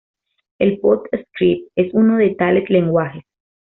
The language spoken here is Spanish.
El PostScript es uno de tales lenguajes.